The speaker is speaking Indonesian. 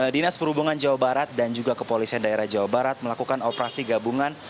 dinas perhubungan jawa barat dan juga kepolisian daerah jawa barat melakukan operasi gabungan